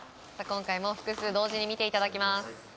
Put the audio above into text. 今回も複数同時に見ていただきます